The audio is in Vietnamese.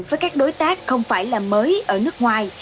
với các đối tác không phải là mới ở nước ngoài